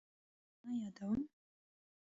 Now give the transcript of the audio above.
زه د فلم صحنه یادوم.